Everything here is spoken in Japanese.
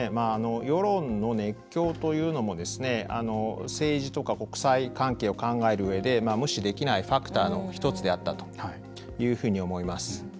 世論の熱狂というのも政治とか国際関係を考えるうえで無視できないファクターの一つであったというふうに思います。